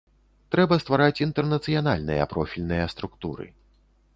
Трэба ствараць інтэрнацыянальныя профільныя структуры.